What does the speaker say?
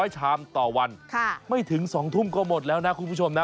ชามต่อวันไม่ถึง๒ทุ่มก็หมดแล้วนะคุณผู้ชมนะ